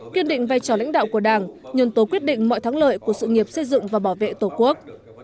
kiên định vai trò lãnh đạo của đảng nhân tố quyết định mọi thắng lợi của sự nghiệp xây dựng và bảo vệ tổ quốc